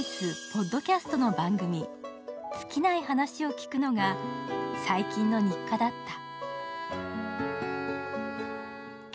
・ポッドキャストの番組、「ツキない話」を聞くのが最近の日課だった。